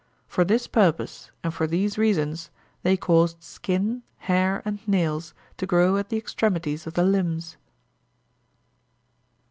For this purpose and for these reasons they caused skin, hair, and nails to grow at the extremities of the limbs.